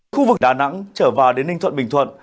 khu vực đà nẵng trở vào đến ninh thuận bình thuận